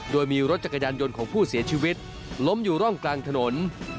โดยมีรถจักรยานยนต์ของผู้เสียชีวิตล้มอยู่ร่องกลางถนน